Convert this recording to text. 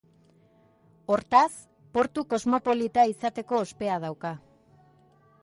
Hortaz, portu kosmopolita izateko ospea dauka.